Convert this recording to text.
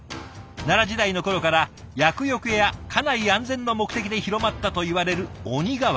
奈良時代の頃から厄よけや家内安全の目的で広まったといわれる鬼瓦。